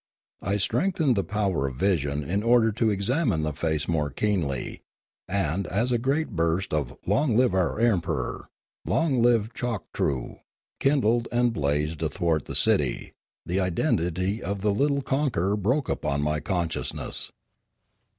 I strengthened the power of vision in order to examine the face more keenly, and, as a great burst of " Long live our emperor! Long live Choktroo! " kindled and blazed athwart the city, the identity of the little conqueror broke upon my con sciousness.